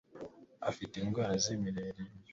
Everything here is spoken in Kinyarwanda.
afite indwara z'imirire mibi